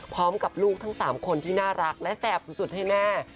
พร้อมกับลูกทั้ง๓คนที่น่ารักและแสบสุดให้แม่